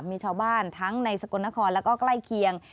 มีชาวบ้านทั้งในสกลนครแล้วก็ใกล้เคียง